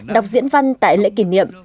đọc diễn văn tại lễ kỷ niệm